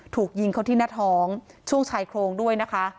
ถูกยิงเขาที่หน้าท้องช่วงชายโครงด้วยนะคะ